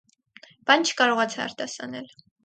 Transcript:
Բան չկարողացա արտասանել.